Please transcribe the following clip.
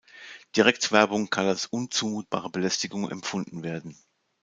Direktwerbung kann als unzumutbare Belästigung empfunden werden.